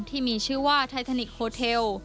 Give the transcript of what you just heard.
ที่มีชื่อว่าไททานิกโฮเทล